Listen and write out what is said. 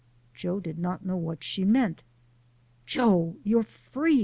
" Joe did not know what she meant. " Joe, you're free